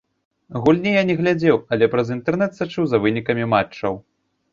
Гульні я не глядзеў, але праз інтэрнэт сачыў за вынікамі матчаў.